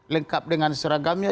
lengkap dengan seragamnya